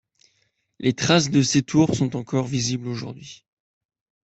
Les traces de ses tours sont encore visibles aujourd'hui.